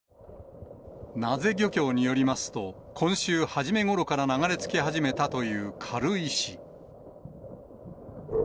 名瀬漁協によりますと、今週初めごろから流れ着き始めたという軽石。